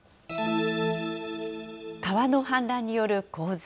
川の氾濫による洪水。